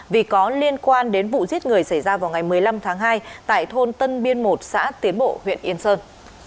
vì có liên quan đến vụ giết người xảy ra vào ngày một mươi năm tháng hai tại thôn tân biên một xã tiến bộ huyện yên sơn